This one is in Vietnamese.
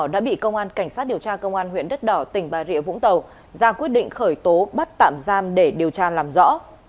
đã bị công an cảnh sát điều tra công an huyện đất đỏ tỉnh bà rịa vũng tàu ra quyết định khởi tố bắt tạm giam để điều tra làm rõ